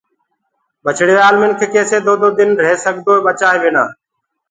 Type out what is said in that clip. ٻچڙيوال مِنک ڪيسي دو دو دن ريه سگدوئيٚ ٻچآئينٚ بنآ